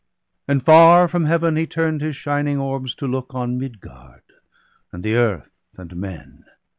And far from Heaven he turn'd his shining orbs To look on Midgard, and the earth, and men.